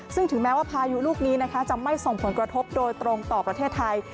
ซึ่งถึงแม้ว่าพายุลูกนี้นะคะจะไม่ส่งผลกระทบโดยตรงต่อประเทศไทย